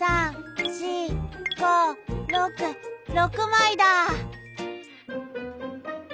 ６まいだ！